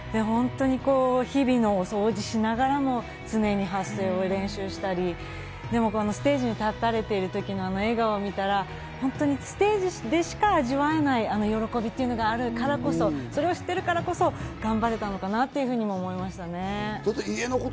日々の掃除しながらも常に発声を練習したり、ステージに立たれてる時の笑顔を見たら、本当にステージでしか味わえない喜びっていうのがあるからこそ、それを知ってるからこそ、頑張れたのかなって思いました。